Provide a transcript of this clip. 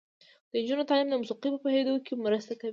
د نجونو تعلیم د موسیقۍ په پوهیدو کې مرسته کوي.